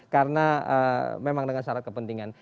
karena memang dengan syarat kepentingan